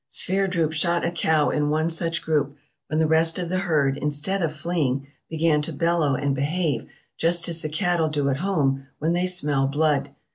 Sverdrup shot a cow in one such group, when the rest of the herd, instead of fleeing, "began to bellow and behave just as the cattle do at home when they smell blood.